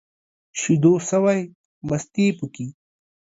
شيدو سوى ، مستې پوکي.